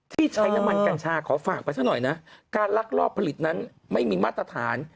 ที่ใช้น้ำมันกัญชาขอฝากไปซะหน่อยนะการลักลอบผลิตนั้นไม่มีมาตรฐาน